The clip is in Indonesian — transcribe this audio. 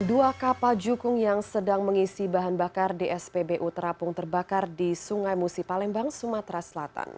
dua kapal jukung yang sedang mengisi bahan bakar di spbu terapung terbakar di sungai musi palembang sumatera selatan